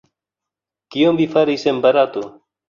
Kion vi faris en Barato?